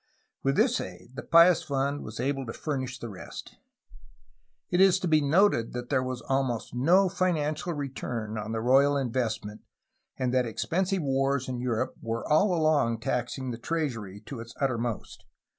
With this aid the Pious Fund was able to furnish the rest. It is to be noted that there was almost no financial return on the royal investment and that expensive wars in Europe were all along taxing the treasury to its uttermost.